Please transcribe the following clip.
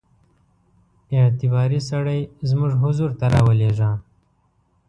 اعتباري سړی زموږ حضور ته را ولېږه.